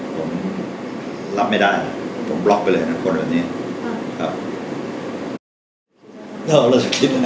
ผมรับไม่ได้ผมบล็อกไปเลยทั้งคนแบบนี้